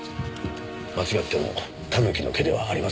間違ってもタヌキの毛ではありません。